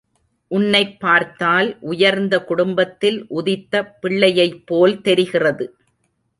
உன்னைப் பார்த்தால் உயர்ந்த குடும்பத்தில் உதித்த பிள்ளையைப்போல் தெரிகிறது.